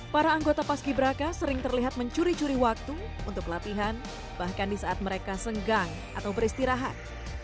para anggota paski braka sering terlihat mencuri curi waktu untuk latihan bahkan di saat mereka senggang atau beristirahat